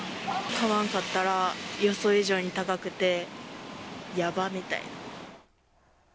買わんかったら、予想以上に高くて、やばっみたいな。